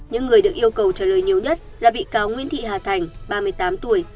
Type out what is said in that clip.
những người được yêu cầu trả lời nhiều nhất là bị cáo nguyễn thị hà thành ba mươi tám tuổi